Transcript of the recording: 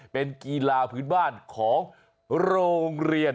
เป็นกีฬาพื้นบ้านของโรงเรียน